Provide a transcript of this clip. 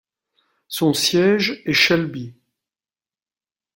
Son siège est Shelby.